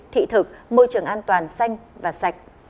thị thực môi trường an toàn xanh và sạch